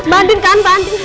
bandit kan bandit